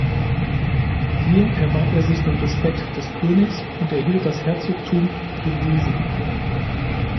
Hier erwarb er sich den Respekt des Königs und erhielt das Herzogtum Brindisi.